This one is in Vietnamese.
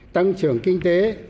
tăng trưởng kinh tế